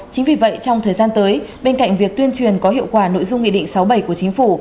chính vì vậy trong thời gian tới bên cạnh việc tuyên truyền có hiệu quả nội dung nghị định sáu bảy của chính phủ